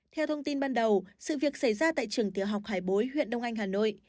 theo thông tin ban đầu sự việc xảy ra tại trường tiểu học hải bối huyện đông anh hà nội